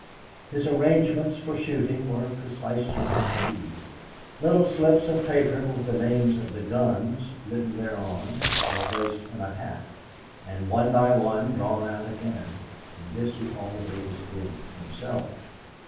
His arrangements for shooting were precisely conceived. Little slips of paper with the names of the "guns" written thereon were placed in a hat, and one by one drawn out again, and this he always did himself.